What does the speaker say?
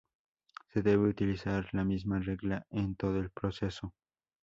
Se debe utilizar la misma regla en todo el proceso.